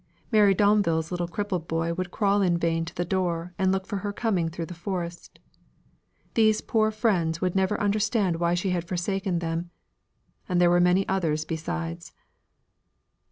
Mary Domville's little crippled boy would crawl in vain to the door and look for her coming through the forest. These poor friends would never understand why she had forsaken them; and there were many others besides.